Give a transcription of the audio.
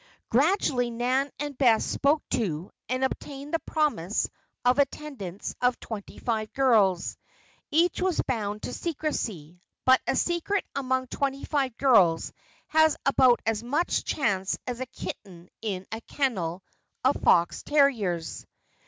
Gradually Nan and Bess spoke to, and obtained the promise of attendance of twenty five girls. Each was bound to secrecy; but a secret among twenty five girls has about as much chance as a kitten in a kennel of fox terriers.